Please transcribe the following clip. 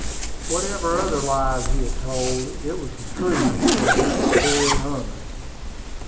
Whatever other lies he had told, it was the truth that he was very hungry.